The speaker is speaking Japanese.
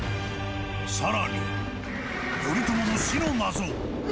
更に、頼朝の死の謎。